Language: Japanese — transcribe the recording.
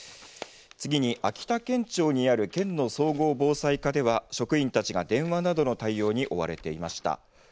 次に秋田県庁にある県の総合防災課では職員たちが電話などの対応に追われていました。